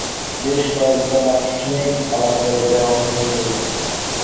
বেশ কয়েকবার আনুষ্ঠানিক আলাপচারিতায় অংশ নেন তিনি।